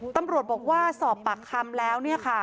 ตำรวจบอกว่าสอบปากคำแล้ว